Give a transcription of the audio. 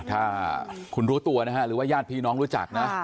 ถ้าคุณรู้ตัวนะฮะหรือว่าญาติพี่น้องรู้จักนะ